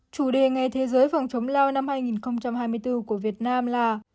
chủ đề ngày thế giới phòng chống lao năm hai nghìn hai mươi bốn của việt nam là